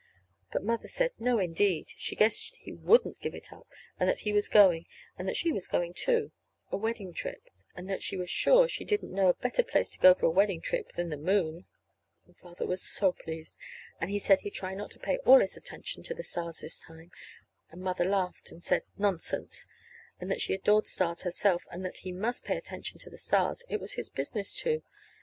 But Mother said, "No, indeed," she guessed he wouldn't give it up; that he was going, and that she was going, too a wedding trip; and that she was sure she didn't know a better place to go for a wedding trip than the moon! And Father was so pleased. And he said he'd try not to pay all his attention to the stars this time; and Mother laughed and said, "Nonsense," and that she adored stars herself, and that he must pay attention to the stars. It was his business to.